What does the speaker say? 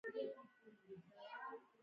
د هغه هوډ د دې لامل شو چې تشکیل جوړ کړي